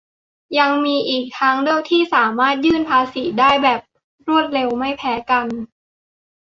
ยังมีอีกทางเลือกที่สามารถยื่นภาษีได้แบบรวดเร็วไม่แพ้กัน